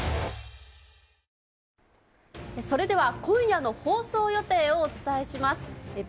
今夜の放送予定をお伝えします。